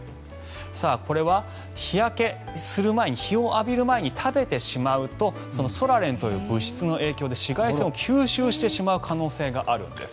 これは、日焼けする前に日を浴びる前に食べてしまうとソラレンという物質の影響で紫外線を吸収してしまう可能性があるんです。